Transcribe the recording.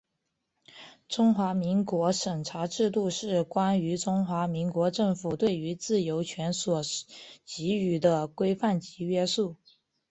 中华民国审查制度是关于中华民国政府对于自由权所给予的规范及约束。